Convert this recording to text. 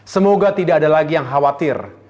semoga tidak ada lagi yang khawatir